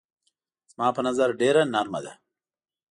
زما په نظر ډېره نرمه ده.